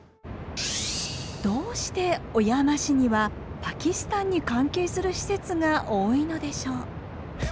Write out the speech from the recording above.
どうして小山市にはパキスタンに関係する施設が多いのでしょう？